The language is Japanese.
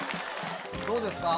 どうですか？